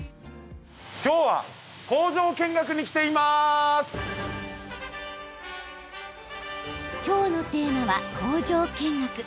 今日のテーマは、工場見学。